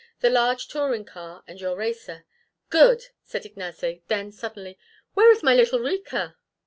The large touring car, and your racer." "Good!" said Ignace; then suddenly, "Where is my little Rika?"